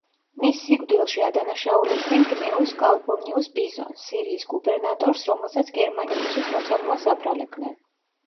მის სიკვდილში ადანაშაულებდნენ გნეუს კალპურნიუს პიზონს, სირიის გუბერნატორს, რომელსაც გერმანიკუსის მოწამვლას აბრალებდნენ.